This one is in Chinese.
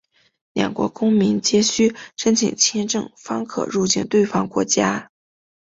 两国公民皆须申请签证方可入境对方国家。